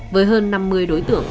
với hơn năm mươi đối tượng